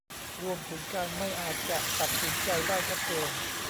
รวมถึงการไม่อาจจะตัดสินใจได้ชัดเจน